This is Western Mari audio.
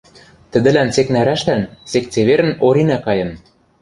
Тӹдӹлӓн сек нӓрӓштӓн, сек цеверӹн Оринӓ кайын.